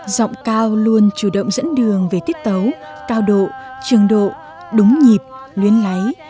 giọng cao luôn chủ động dẫn đường về tiết tấu cao độ trường độ đúng nhịp luyến lấy